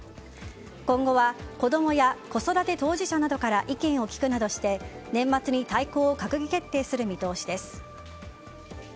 今後は子供や子育て当事者などから意見を聞くなどして年末に大綱を閣議決定する見通しです。